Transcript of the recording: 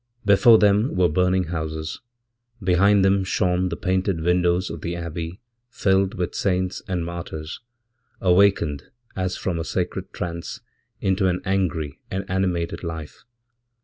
Before them wereburning houses. Behind them shone the painted windows of the Abbeyfilled with saints and martyrs, awakened, as from a sacred trance, into an angry and animated life.